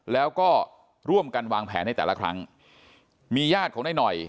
แล้วก็ร่วมกันวางแผนในแต่ละครั้งมีญาติของนายหน่อย